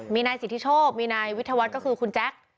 มีนายสิทธิโชคมีนายวิทยาวัฒน์ก็คือคุณแจ๊ค